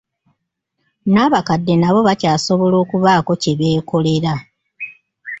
N'abakadde nabo bakyasobola okubaako kye beekolera.